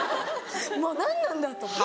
もう何なんだと思って。